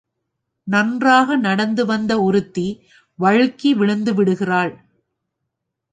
நன்றாக நடந்து வந்த ஒருத்தி வழுக்கி விழுந்து விடுகிறாள்.